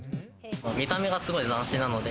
見た目が、すごい斬新なので。